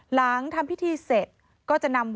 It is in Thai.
หลังทำพิธีเสร็จ